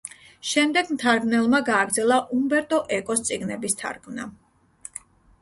შემდეგ მთარგმნელმა გააგრძელა უმბერტო ეკოს წიგნების თარგმნა.